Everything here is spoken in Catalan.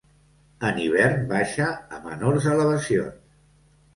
En hivern baixa a menors elevacions.